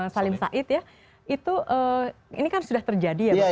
salim said ya itu ini kan sudah terjadi ya pak ya